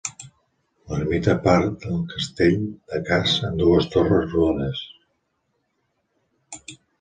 L'ermita part del castell de Cas amb dues torres rodones.